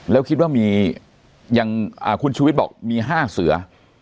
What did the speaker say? แล้วคิดว่ามีอย่างคุณชูวิทย์บอกมี๕เสือ